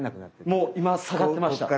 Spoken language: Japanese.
もう今下がってました。